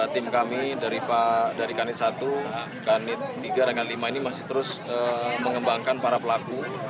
tim kami dari kanit satu kanit tiga dan lima ini masih terus mengembangkan para pelaku